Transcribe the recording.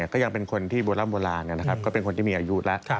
ก็ยังเป็นคนที่โบราณก็เป็นคนที่มีอายุแล้ว